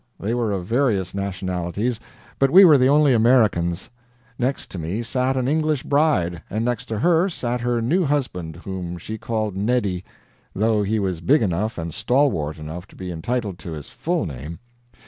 They were of various nationalities, but we were the only Americans. Next to me sat an English bride, and next to her sat her new husband, whom she called "Neddy," though he was big enough and stalwart enough to be entitled to his full name.